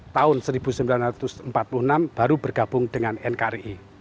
tahun seribu sembilan ratus empat puluh enam baru bergabung dengan nkri